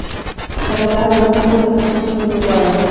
که د لاره ورکه کړه، له پولیسو مرسته وغواړه.